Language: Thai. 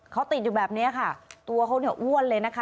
เขาติดอยู่แบบนี้ค่ะตัวเขาเนี่ยอ้วนเลยนะคะ